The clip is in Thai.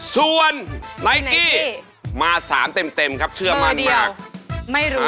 ส่วนไนกี้มาสารเต็มครับเชื่อมั่นว่าไม่รู้